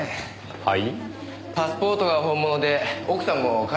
はい？